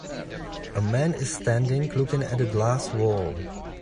A man is standing looking at a glass wall.